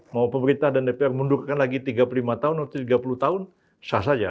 mau pemerintah dan dpr mundurkan lagi tiga puluh lima tahun atau tiga puluh tahun sah saja